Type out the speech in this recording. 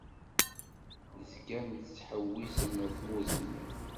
Tezgam tettḥewwisem ar tmurt-nni.